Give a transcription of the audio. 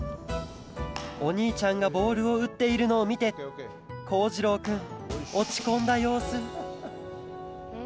おにいちゃんがボールをうっているのをみてこうじろうくんおちこんだようすん？